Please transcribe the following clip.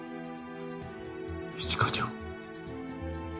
一課長。